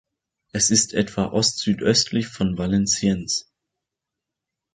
Es ist etwa ostsüdöstlich von Valenciennes.